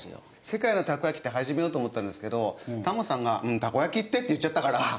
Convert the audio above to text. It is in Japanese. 世界のたこ焼きって始めようと思ったんですけどタモさんが「たこ焼きって」って言っちゃったから。